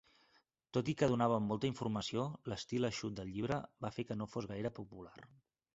Tot i que donava molta informació, l'estil eixut del llibre va fer que no fos gaire popular.